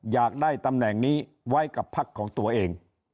อยากได้ตำแหน่งนี้ไว้กับพักของตัวเอง